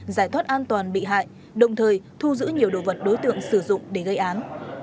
giải thoát an toàn bị hại đồng thời thu giữ nhiều đồ vật đối tượng sử dụng để gây án